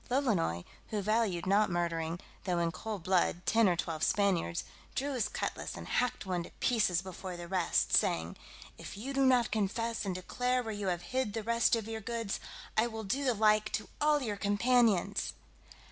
Lolonois, who valued not murdering, though in cold blood, ten or twelve Spaniards, drew his cutlass, and hacked one to pieces before the rest, saying, "If you do not confess and declare where you have hid the rest of your goods, I will do the like to all your companions."